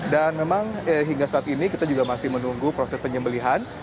memang hingga saat ini kita juga masih menunggu proses penyembelihan